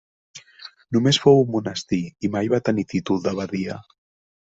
Només fou un monestir i mai va tenir títol d'abadia.